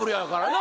な